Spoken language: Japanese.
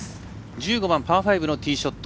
１５番パー５のティーショット。